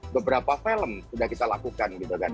beberapa film sudah kita lakukan gitu kan